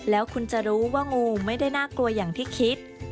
แล้วคุณจะรู้ว่างูไม่ได้น่ากลัวอย่างที่คิด